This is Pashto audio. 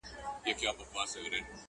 سره خپل به د عمرونو دښمنان سي٫